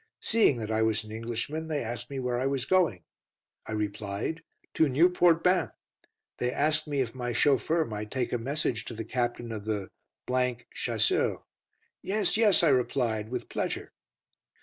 Seeing that I was an an Englishman, they asked me where I was going. I replied, "to Nieuport Bain." They asked me if my chauffeur might take a message to the Captain of the Chasseurs. "Yes, yes," I replied, "with pleasure."